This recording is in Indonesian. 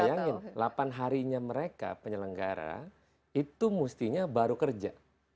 bayangin delapan harinya mereka penyelenggara itu mestinya baru kerja